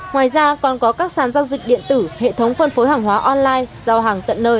ngoài ra còn có các sàn giao dịch điện tử hệ thống phân phối hàng hóa online giao hàng tận nơi